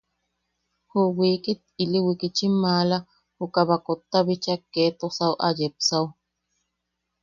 Ju wiikit, ili wikitchim maala, juka baakotta bichak kee tosau a yepsaʼu.